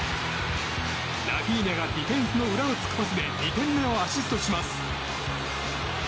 ラフィーニャがディフェンスの裏を突くパスで２点目をアシストします。